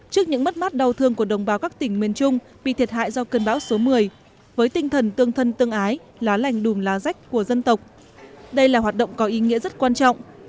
trước những mất mát đau thương của đồng bào các tỉnh miền trung bị thiệt hại do cơn bão số một mươi với tinh thần tương thân tương ái lá lành đùm lá rách của dân tộc đây là hoạt động có ý nghĩa rất quan trọng